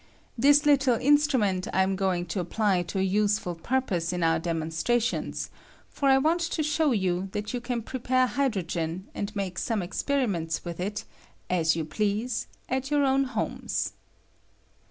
This little instrament I am going to apply to a useful purpose in our demonstrations, for I want to show you that you can prepare hy drogen, and make some esperimenta with it as jou please, at your own homes.